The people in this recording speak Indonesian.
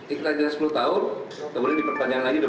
inkatan dinas sepuluh tahun kemudian diperpanjang lagi dua puluh tahun